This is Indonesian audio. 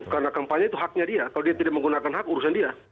karena kampanye itu haknya dia kalau dia tidak menggunakan hak urusan dia